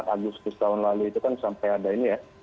empat agustus tahun lalu itu kan sampai ada ini ya